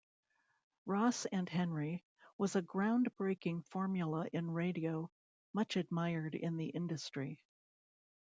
"Ross and Henry" was a ground-breaking formula in radio; much admired in the industry.